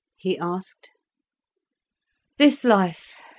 he asked. "This life.